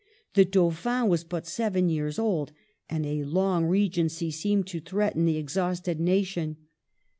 The Dauphin was but seven years old, and a long regency seemed to threaten the ex hausted nation.